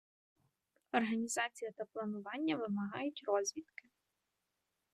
Організація та планування вимагають розвідки.